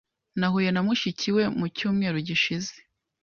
Nahuye na mushiki we mu cyumweru gishize.